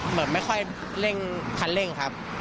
เหมือนไม่ค่อยเร่งคันเร่งครับ